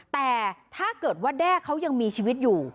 แต่ถ้าเกิดว่าแด้เขายังมีชีวิตอยู่